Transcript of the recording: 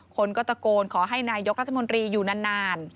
คนก็ตะโกนขอให้นายกรัฐมนตรีอยู่นาน